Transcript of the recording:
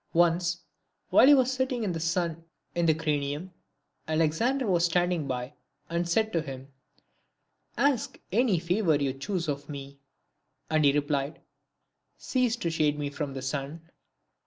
Once, while he was sitting in the sun in the Craneum, Alexander was standing by, and said to him, "Ask any favour you choose of me." And he replied, " Cease to shade me from the sun."